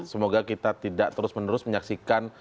semoga kita tidak terus menerus menyaksikan